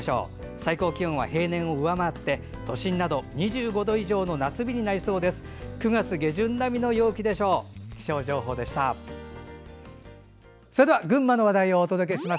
最高気温は平年を上回って都心など２５度以上の夏日になりそうです。